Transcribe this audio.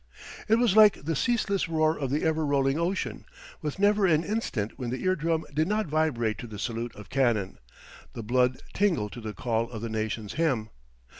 It was like the ceaseless roar of the ever rolling ocean, with never an instant when the ear drum did not vibrate to the salute of cannon, the blood tingle to the call of the nation's hymn.